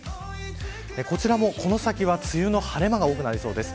こちらもこの先は梅雨の晴れ間が多くなりそうです。